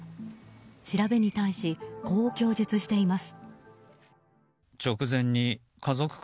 調べに対し、こう供述しています。